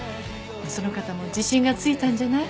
その方も自信がついたんじゃない？